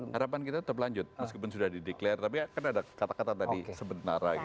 harapan kita tetap lanjut meskipun sudah dideklarasi tapi kan ada kata kata tadi sebentar lagi